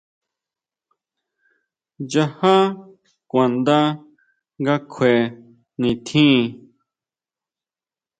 Nchajá kuanda nga kjue nitjín.